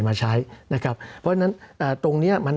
สำหรับกำลังการผลิตหน้ากากอนามัย